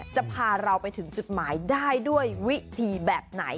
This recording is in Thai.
จะพาเราไปถึงจุดหมายได้ด้วยวิธีแบบไหน